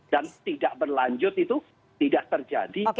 dan tidak berlanjut itu tidak terjadi